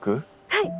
はい。